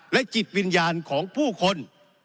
และจิตวิญญาณของผู้คน